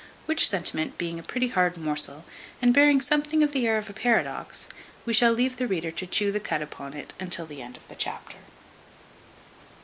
Which sentiment being a pretty hard morsel, and bearing something of the air of a paradox, we shall leave the reader to chew the cud upon it to the end of the chapter.